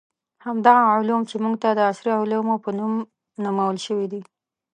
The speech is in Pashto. همدغه علوم چې موږ ته د عصري علومو په نوم نومول شوي دي.